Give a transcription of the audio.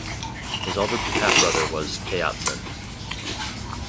His elder half-brother was Tayatzin.